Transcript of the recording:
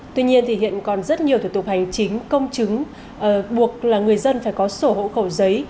tuy nhiên thì hiện còn rất nhiều thủ tục hành chính công chứng buộc là người dân phải có sổ hộ khẩu giấy